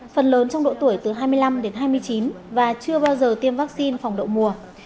phần lớn trong độ tuổi từ hai mươi năm đến hai mươi chín và chưa bao giờ tiêm vaccine phòng đậu mùa